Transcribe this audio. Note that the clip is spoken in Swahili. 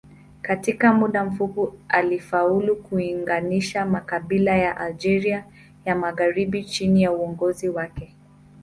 Katika muda mfupi alifaulu kuunganisha makabila ya Algeria ya magharibi chini ya uongozi wake.